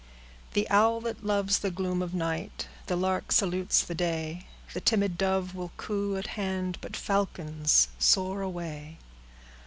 The owlet loves the gloom of night, The lark salutes the day, The timid dove will coo at hand— But falcons soar away.